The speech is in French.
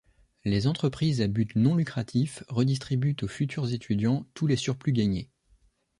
Les entreprises à but non lucratif redistribuent aux futurs étudiants tous les surplus gagnés.